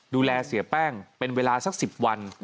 ดูแลเสียแป้งเป็นเวลาสัก๑๐วัน